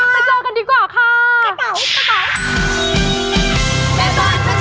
แม่บ้านเผชิญบ้าน